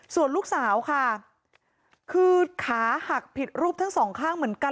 ส่วนลูกสาวค่ะคือขาหักผิดรูปทั้งสองข้างเหมือนกัน